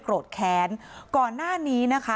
โรธแค้นก่อนหน้านี้นะคะ